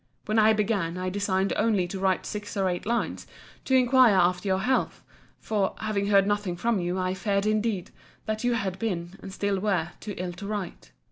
When I began, I designed only to write six or eight lines, to inquire after your health: for, having heard nothing from you, I feared indeed, that you had been, and still were, too ill to write.